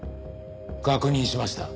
確認しました。